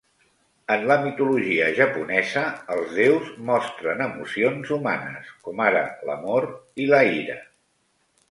En la mitologia japonesa, els déus mostren emocions humanes, com ara l'amor i la ira.